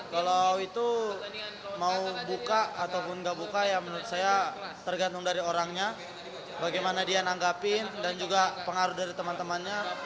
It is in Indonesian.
kalau itu mau buka ataupun nggak buka ya menurut saya tergantung dari orangnya bagaimana dia nanggapin dan juga pengaruh dari teman temannya